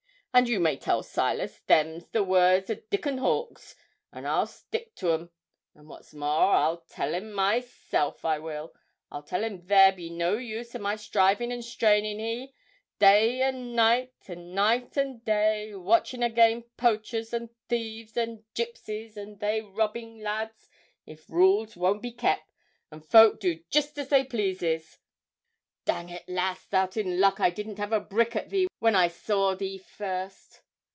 And you may tell Silas them's the words o' Dickon Hawkes, and I'll stick to 'm and what's more I'll tell him myself I will; I'll tell him there be no use o' my striving and straining hee, day an' night and night and day, watchin' again poachers, and thieves, and gipsies, and they robbing lads, if rules won't be kep, and folk do jist as they pleases. Dang it, lass, thou'rt in luck I didn't heave a brick at thee when I saw thee first.'